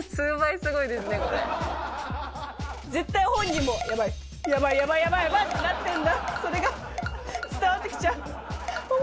絶対本人も、やばい、やばいやばいやばい！ってなってるんだ、それが伝わってきちゃう。